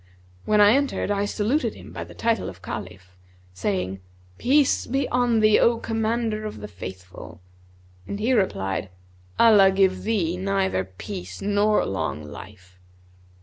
When I entered I saluted him by the title of Caliph, saying, 'Peace be on thee, O Commander of the Faithful!' and he replied, 'Allah give thee neither peace nor long life.'